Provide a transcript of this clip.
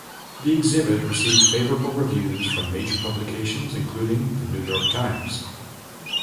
The exhibit received favourable reviews from major publications including "The New York Times".